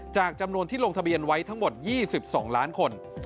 จากจำนวนที่ลงทะเบียนไว้ทั้งหมดยี่สิบสองล้านคน